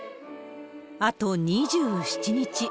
あと２７日。